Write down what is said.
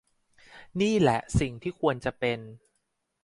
นี่แหละสิ่งที่ควรจะเป็น